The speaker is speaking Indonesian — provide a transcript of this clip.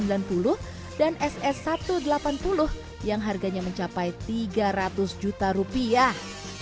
bahkan dia juga tengah merestorasi vespa jenis ss sembilan puluh dan ss satu ratus delapan puluh yang harganya mencapai tiga ratus juta rupiah